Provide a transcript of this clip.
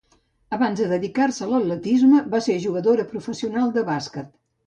Abans de dedicar-se a l'atletisme va ser jugadora professional de bàsquet.